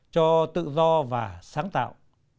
cho tự do và sáng tạo